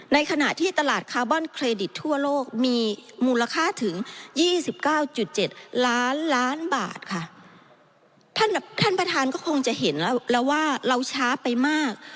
ในขณะที่ตลาดคาร์บอนเครดิตทั่วโลกมีมูลค่าถึงยี่สิบเก้าจุดเจ็ดล้านล้านบาทค่ะท่านท่านประธานก็คงจะเห็นแล้วแล้วว่าเราช้าไปมาก